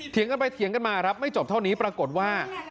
กันไปเถียงกันมาครับไม่จบเท่านี้ปรากฏว่า